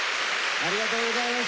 ありがとうございます。